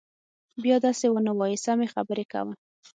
بيا دسې ونه وايي سمې خبرې کوه.